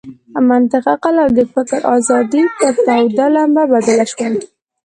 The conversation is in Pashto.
منطق، عقل او د فکر آزادي پر توده لمبه بدله شوه.